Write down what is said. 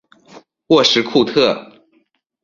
沃什库特。